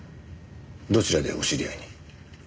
どちらでお知り合いに？